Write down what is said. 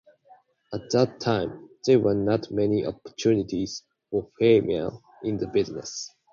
At that time, there were not many opportunities for females in the business.